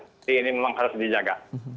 jadi ini memang harus dijaga